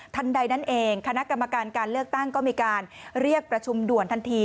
ใดนั้นเองคณะกรรมการการเลือกตั้งก็มีการเรียกประชุมด่วนทันที